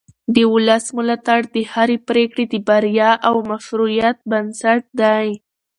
د ولس ملاتړ د هرې پرېکړې د بریا او مشروعیت بنسټ دی